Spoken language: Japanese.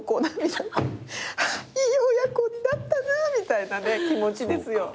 いい親子になったなみたいなね気持ちですよ。